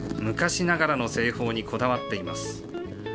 昔ながらの製法にこだわっています。